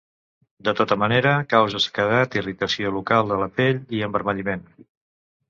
De tota manera, causa sequedat, irritació local de la pell i envermelliment.